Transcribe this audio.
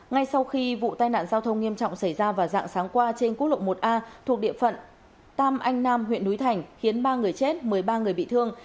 ngay sau khi vụ tai nạn giao thông nghiêm trọng xảy ra vào dạng sáng qua trên quốc lộ một a thuộc địa phận tam anh nam huyện núi thành khiến ba người chết một mươi ba người bị thương